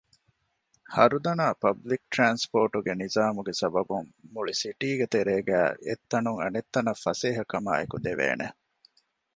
ހަރުދަނާ ޕަބްލިކު ޓްރާންސްޕޯޓުގެ ނިޒާމުގެ ސަބަބުން މުޅި ސިޓީގެ ތެރޭގައި އެއްތަނުން އަނެއްތަނަށް ފަސޭހަކަމާއެކު ދެވޭނެ